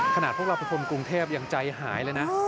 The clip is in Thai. ขนาดพวกเราเป็นคนกรุงเทพยังใจหายเลยนะ